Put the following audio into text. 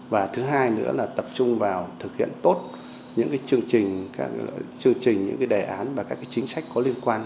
và thứ hai nữa là tập trung vào thực hiện tốt những chương trình đề án và các chính sách có liên quan